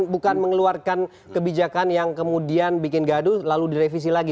bukan mengeluarkan kebijakan yang kemudian bikin gaduh lalu direvisi lagi